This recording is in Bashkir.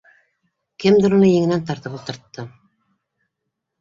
Кемдер уны еңенән тартып ултыртты